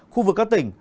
khu vực các tỉnh